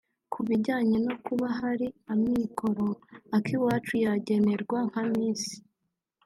Kubijyanye no kuba hari amikoro Akiwacu yagenerwa nka Miss